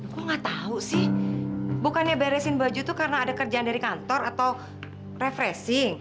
kok nggak tahu sih bukannya beresin baju itu karena ada kerjaan dari kantor atau refreshing